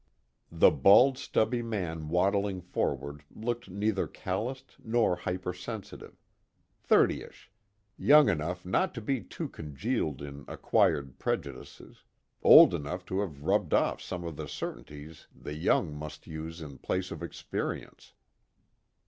The bald stubby man waddling forward looked neither calloused nor hypersensitive. Thirtyish; young enough not to be too congealed in acquired prejudices, old enough to have rubbed off some of the certainties the young must use in place of experience.